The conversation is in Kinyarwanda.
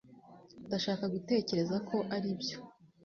ndashaka gutekereza ko aribyo